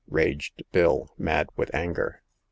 raged Bill, mad with anger.